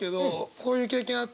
こういう経験あって。